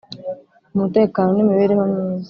umutekano n imibereho myiza